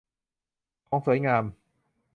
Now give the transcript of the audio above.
ของสวยงาม